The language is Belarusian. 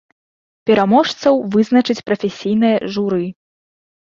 Пераможцаў вызначыць прафесійнае журы.